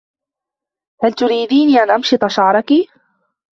هل تريديني أن مشط شعرك.